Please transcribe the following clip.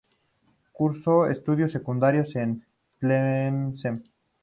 Cursó estudios secundarios en Tlemcen.